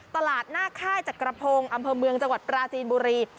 ตลาดหน้าค่ายจักรพงศ์อำเภอเมืองจังหวัดปราจีนบุรี